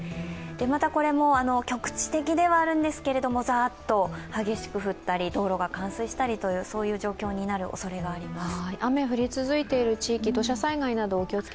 また、局地的ではあるんですけれども、ザーッと激しく降ったり道路が冠水したりする状況になるおそれがあります。